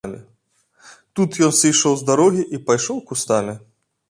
Тут ён сышоў з дарогі і пайшоў кустамі.